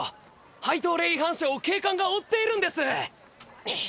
廃刀令違反者を警官が追っているんです！